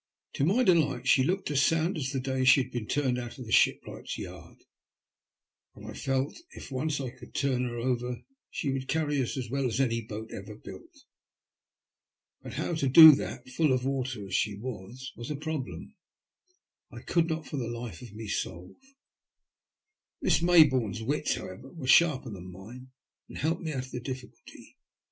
To my delight she looked as sound as the day she had been turned out of the shipwright's yard, and I felt if once I could turn her over she would carry us as well as any boat ever built. But how to do that, full of water as she was, was a problem I could not for the life of me solve. Miss Mayboume's wits, however, were sharper than mine and helped me out of the difficulty.